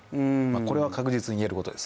これは確実にいえることです。